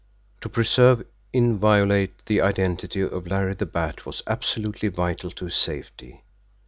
To preserve inviolate the identity of Larry the Bat was absolutely vital to his safety.